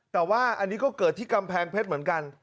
แต่ว่าอันนี้ก็เกิดที่กำแพงเพชรเหมือนกัน